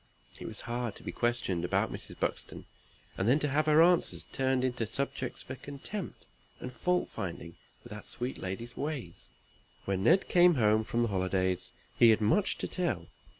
It was hard to be questioned about Mrs. Buxton, and then to have her answers turned into subjects for contempt, and fault finding with that sweet lady's ways. When Ned came home for the holidays, he had much to tell.